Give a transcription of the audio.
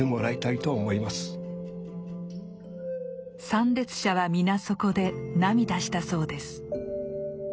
参列者は皆そこで涙したそうです。